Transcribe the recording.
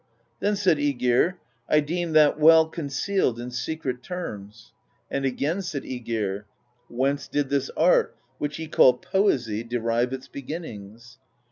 Then said iEgir: "I deem that well concealed in secret terms." And again said ^gir:" Whence did this art, which ye call poesy ^ derive its beginnings?"